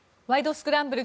スクランブル」